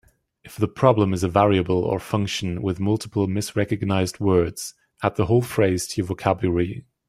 If the problem is a variable or function with multiple misrecognized words, add the whole phrase to your vocabulary.